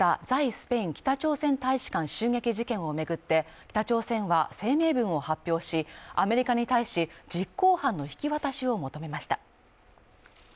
スペイン北朝鮮大使館襲撃事件を巡って北朝鮮は声明文を発表し、アメリカに対し、実行犯の引き渡しを求めました。